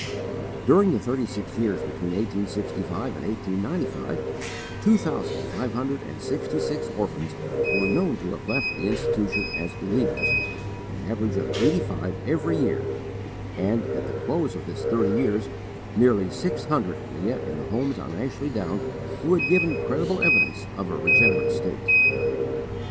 During the thirty years between 1865 and 1895, two thousand five hundred and sixty six orphans were known to have left the institution as believers, an average of eighty five every year; and, at the close of this thirty years, nearly six hundred were yet in the homes on Ashley Down who had given credible evidence of a regenerate state.